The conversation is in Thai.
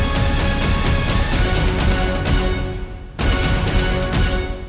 โปรดติดตามตอนต่อไป